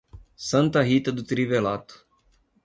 Santa Rita do Trivelato